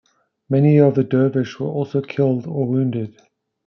Many of the Dervish were also killed or wounded.